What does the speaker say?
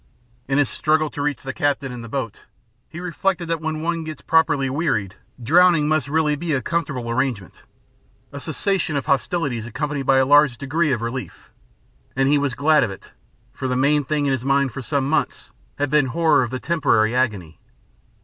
In his struggle to reach the captain and the boat, he reflected that when one gets properly wearied, drowning must really be a comfortable arrangement, a cessation of hostilities accompanied by a large degree of relief, and he was glad of it, for the main thing in his mind for some months had been horror of the temporary agony.